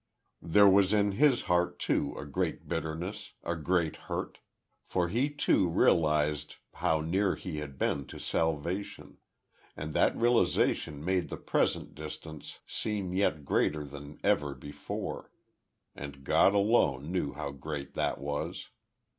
There was in his heart, too, a great bitterness a great hurt. For he, too, realized how near he had been to salvation and that realization made the present distance seem yet greater than ever before; and God alone knew how great that was.